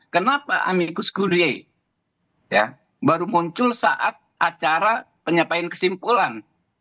kenapa amicus gude baru muncul saat acara penyampaian kesimpulan